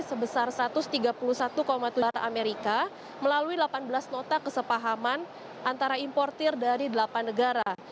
sebesar satu ratus tiga puluh satu tujuh juta amerika melalui delapan belas nota kesepahaman antara importir dari delapan negara